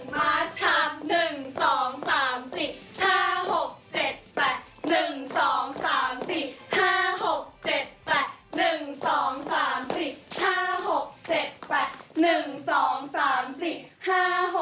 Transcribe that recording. มาส๔และ๑มาสทาม๑๒๓๔